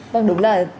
vâng đúng là